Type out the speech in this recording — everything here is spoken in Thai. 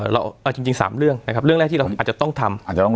จริง๓เรื่องนะครับเรื่องแรกที่เราอาจจะต้องทำอาจจะต้อง